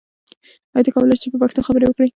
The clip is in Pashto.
ایا ته کولای شې چې په پښتو خبرې وکړې؟